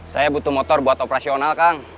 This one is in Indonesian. saya butuh motor buat operasional kang